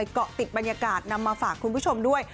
เกาะติดบรรยากาศนำมาฝากคุณผู้ชมด้วย